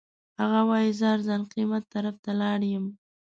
هغه وایي زه ارزان قیمت طرف ته لاړ یم.